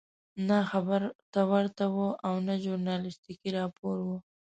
نه خبر ته ورته وو او نه ژورنالستیکي راپور وو.